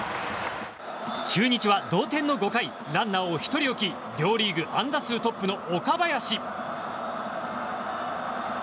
中日は同点の５回ランナーを１人置き両リーグ安打数トップの岡林。